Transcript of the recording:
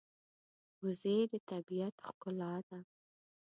وزې د طبیعت ښکلا ده